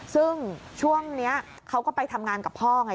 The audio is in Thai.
ซึ่งช่วงนี้เขาก็ไปทำงานกับพ่อไง